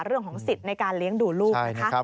เรื่องของสิทธิ์ในการเลี้ยงดูลูกนะคะ